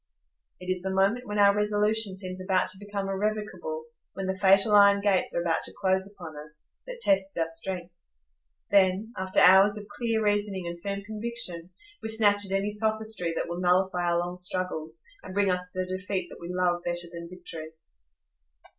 It is the moment when our resolution seems about to become irrevocable—when the fatal iron gates are about to close upon us—that tests our strength. Then, after hours of clear reasoning and firm conviction, we snatch at any sophistry that will nullify our long struggles, and bring us the defeat that we love better than victory.